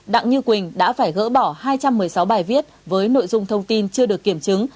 đặng như quỳnh đã phải gỡ bỏ hai trăm một mươi sáu bài viết với nội dung thông tin chưa được kiểm chứng